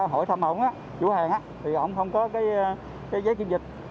hỏi thăm ông chủ hàng thì ông không có giấy kiểm dịch